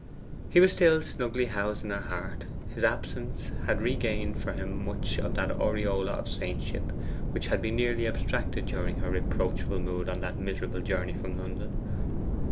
He was still snugly housed in her heart. His absence had regained for him much of that aureola of saintship which had been nearly abstracted during her reproachful mood on that miserable journey from London.